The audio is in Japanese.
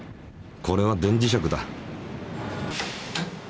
これは電磁石だ。